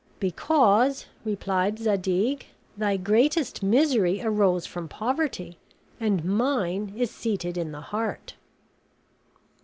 "Because," replied Zadig, "thy greatest misery arose from poverty, and mine is seated in the heart."